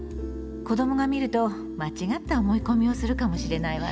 子どもが見ると間違った思い込みをするかもしれないわね。